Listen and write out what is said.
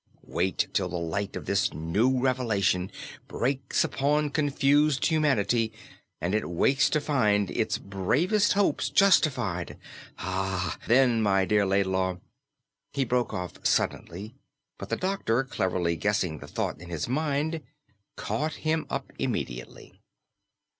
Wait till the light of this new revelation breaks upon confused humanity, and it wakes to find its bravest hopes justified! Ah, then, my dear Laidlaw " He broke off suddenly; but the doctor, cleverly guessing the thought in his mind, caught him up immediately.